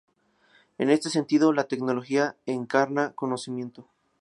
En este sentido, la tecnología encarna conocimiento.